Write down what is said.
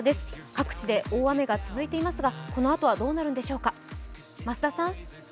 各地で大雨が続いていますがこのあとはどうなるんでしょうか。